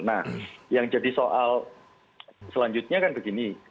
nah yang jadi soal selanjutnya kan begini